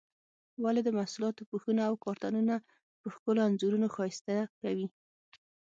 ولې د محصولاتو پوښونه او کارتنونه په ښکلو انځورونو ښایسته کوي؟